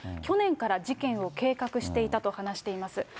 去年から事件を計画していたと話しています。